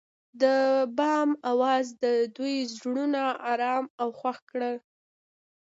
د بام اواز د دوی زړونه ارامه او خوښ کړل.